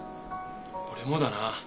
俺もだな。